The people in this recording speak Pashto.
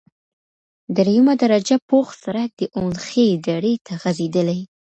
دریمه درجه پوخ سرک د اونخې درې ته غزیدلی،